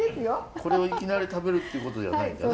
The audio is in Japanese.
これをいきなり食べるっていうことではないですよね？